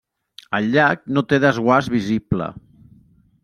El llac no té desguàs visible.